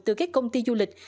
từ các công ty du lịch